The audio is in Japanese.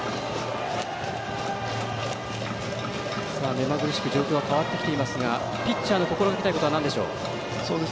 目まぐるしく状況が変わっていますがピッチャーの心がけたいことはなんでしょう？